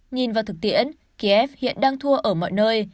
nhìn vào thực tiễn kiev hiện đang thua ở mọi nơi